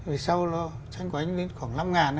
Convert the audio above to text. rồi sau đó tranh của anh lên khoảng năm ngàn